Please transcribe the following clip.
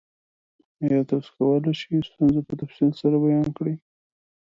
ایا تاسو کولی شئ ستونزه په تفصیل سره بیان کړئ؟